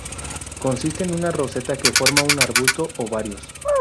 Consiste en una roseta que forma un arbusto o varios.